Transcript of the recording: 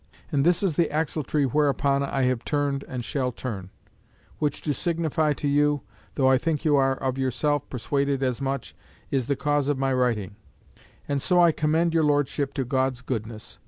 And this is the axletree whereupon I have turned and shall turn, which to signify to you, though I think you are of yourself persuaded as much, is the cause of my writing; and so I commend your Lordship to God's goodness.